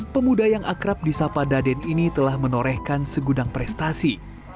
pemuda yang akrab di sapa daden ini telah menorehkan segudang prestasi